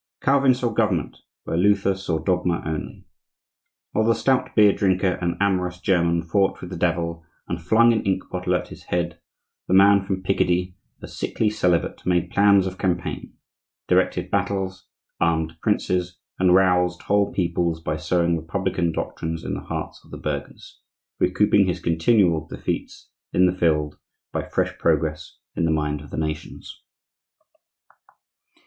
Calvin saw government where Luther saw dogma only. While the stout beer drinker and amorous German fought with the devil and flung an inkbottle at his head, the man from Picardy, a sickly celibate, made plans of campaign, directed battles, armed princes, and roused whole peoples by sowing republican doctrines in the hearts of the burghers—recouping his continual defeats in the field by fresh progress in the mind of the nations.